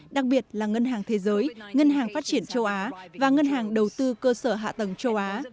đặc biệt là ngân hàng thế giới ngân hàng phát triển châu á và ngân hàng đầu tư cơ sở hạ tầng châu á